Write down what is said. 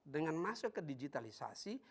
dengan masuk ke digitalisasi